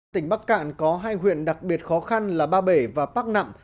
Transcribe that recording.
tỉnh bắc cạn có hai huyện đặc biệt khó khăn là ba bể và bắc nặng